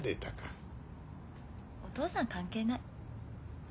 お父さん関係ない。